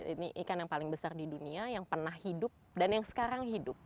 ini ikan yang paling besar di dunia yang pernah hidup dan yang sekarang hidup